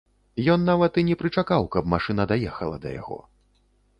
Ён нават і не прычакаў, каб машына даехала да яго.